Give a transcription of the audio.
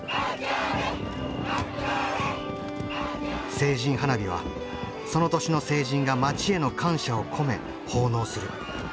成人花火はその年の成人が町への感謝を込め奉納する。